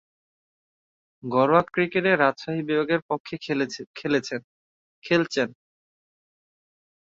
ঘরোয়া ক্রিকেটে রাজশাহী বিভাগের পক্ষে খেলছেন।